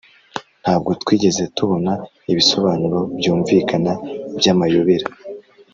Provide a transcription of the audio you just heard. ntabwo twigeze tubona ibisobanuro byumvikana byamayobera